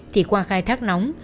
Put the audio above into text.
thì qua khai thác nóng